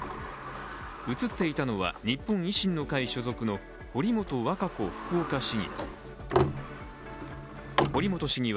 映っていたのは日本維新の会所属の堀本和歌子福岡市議。